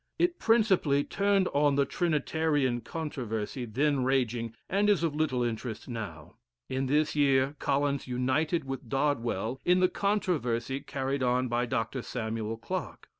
It principally turned on the Trinitarian controversy then raging, and is of little interest now. In this year Collins united with Dodwell in the controversy carried on by Dr. Samuel Clarke.